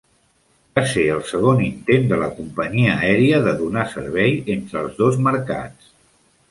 Va ser el segon intent de la companyia aèria de donar servei entre els dos mercats.